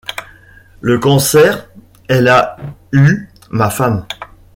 Le cancer, elle a eu, ma femme !